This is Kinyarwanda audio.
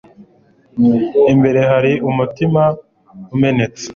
imbere hari umutima umenetse